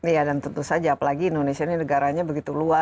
iya dan tentu saja apalagi indonesia ini negaranya begitu luas